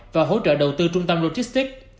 và hỗ trợ đầu tư trung tâm logistic